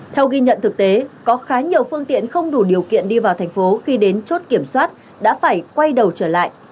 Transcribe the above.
theo ghi nhận thực tế có khá nhiều phương tiện không đủ điều kiện đi vào thành phố khi đến chốt kiểm soát đã phải quay đầu trở lại